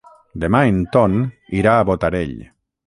Demà en Ton irà a Botarell.